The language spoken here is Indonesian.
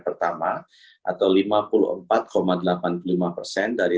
pertama atau lima puluh empat delapan puluh lima persen dari